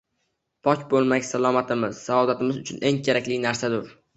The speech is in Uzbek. Pok bo’lmak salomatimiz, saodatimiz uchun eng kerakli narsadur